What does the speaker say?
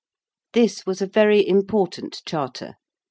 _)] This was a very important Charter.